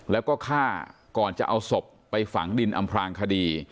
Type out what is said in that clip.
แล้วก็ฆ่าก่อนจะเอาศพไปฝังดินอำพลางคดี